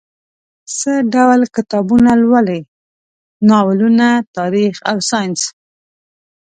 څه ډول کتابونه لولئ؟ ناولونه، تاریخ او ساینس